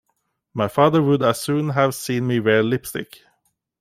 My father would as soon have seen me wear lipstick.